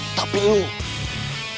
gue akan habisin lo disini